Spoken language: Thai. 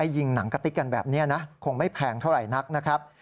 ยิงหนังกะติ๊กกันแบบนี้นะคงไม่แพงเท่าไหร่นักนะครับ